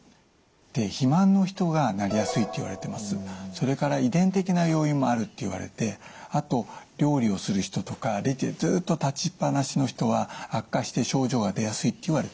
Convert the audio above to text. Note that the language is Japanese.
それから遺伝的な要因もあるっていわれてあと料理をする人とかレジでずっと立ちっぱなしの人は悪化して症状が出やすいっていわれています。